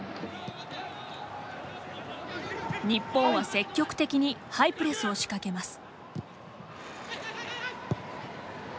日本は積極的にハイプレスを仕掛けます。